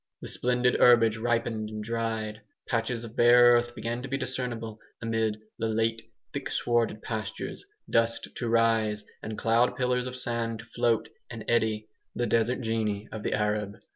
The splendid herbage ripened and dried; patches of bare earth began to be discernible amid the late thick swarded pastures, dust to rise and cloud pillars of sand to float and eddy the desert genii of the Arab.